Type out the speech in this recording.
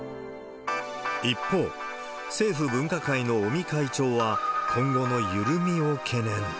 一方、政府分科会の尾身会長は、今後の緩みを懸念。